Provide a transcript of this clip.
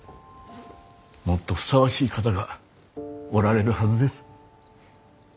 もっとふさわしい方がおられるはずです。